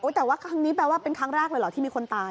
แต่ว่าครั้งนี้แปลว่าเป็นครั้งแรกเลยเหรอที่มีคนตาย